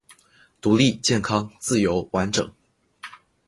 独立健康自由完整